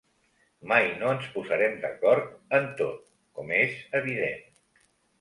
Mai no ens posarem d’acord en tot, com és evident.